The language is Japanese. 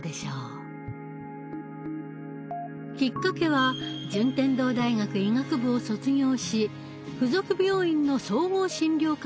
きっかけは順天堂大学医学部を卒業し附属病院の総合診療科に勤めていた頃。